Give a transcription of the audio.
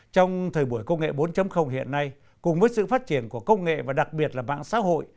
trong thời buổi công nghệ bốn hiện nay cùng với sự phát triển của công nghệ và đặc biệt là mạng xã hội